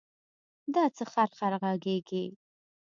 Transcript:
دا څه خرخر غږېږې.